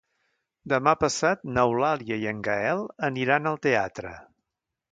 Demà passat n'Eulàlia i en Gaël aniran al teatre.